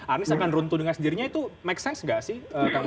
anies akan runtuh dengan sendirinya itu make sense nggak sih